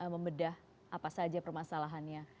membedah apa saja permasalahannya